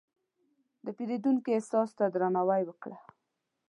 د پیرودونکي احساس ته درناوی وکړه.